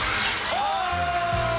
お！